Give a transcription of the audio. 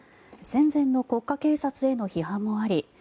戦前の国家警察への批判もあり